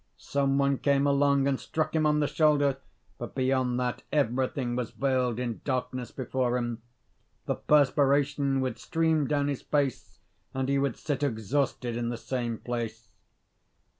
Some one came along and struck him on the shoulder; but beyond that everything was veiled in darkness before him. The perspiration would stream down his face, and he would sit exhausted in the same place.